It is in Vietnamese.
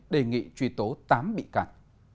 đề nghị truy tố tám bị can